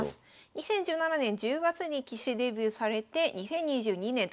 ２０１７年１０月に棋士デビューされて２０２２年と２０２３年ご覧ください。